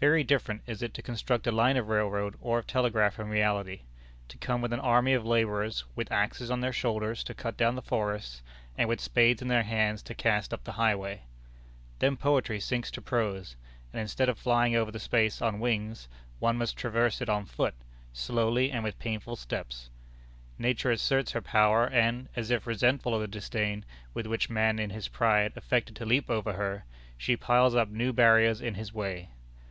Very different is it to construct a line of railroad or of telegraph in reality; to come with an army of laborers, with axes on their shoulders to cut down the forests, and with spades in their hands to cast up the highway. Then poetry sinks to prose, and instead of flying over the space on wings, one must traverse it on foot, slowly and with painful steps. Nature asserts her power; and, as if resentful of the disdain with which man in his pride affected to leap over her, she piles up new barriers in his way.